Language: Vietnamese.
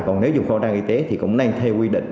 còn nếu dùng khẩu trang y tế thì cũng nên theo quy định